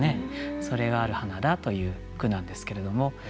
それがある花だという句なんですけれども。